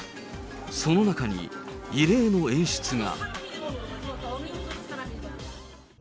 その中に異例の演出が。